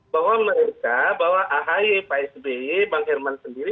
bahwa mereka bahwa ahy pak sby bang herman sendiri